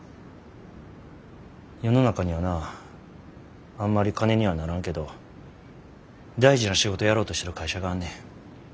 世の中にはなあんまり金にはならんけど大事な仕事やろうとしてる会社があんねん。